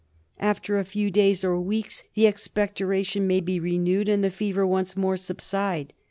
After a few days or weeks the expectoration may be renewed and the fever once more subside.